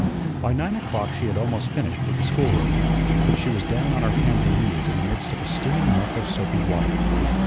By nine o'clock she had almost finished with the schoolroom. She was down on her hands and knees in the midst of a steaming muck of soapy water.